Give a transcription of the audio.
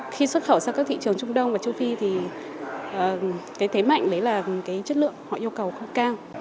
khi xuất khẩu sang các thị trường trung đông và châu phi thì thế mạnh là chất lượng họ yêu cầu cao cao